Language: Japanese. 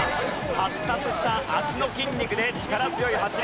発達した脚の筋肉で力強い走り。